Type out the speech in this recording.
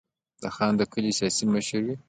خان د کلي سیاسي مشر وي.